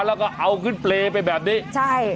แล้วก็เอาขึ้นเปรย์ไปแบบนี้ใช่